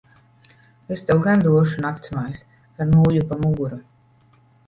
Es tev gan došu naktsmājas ar nūju pa muguru.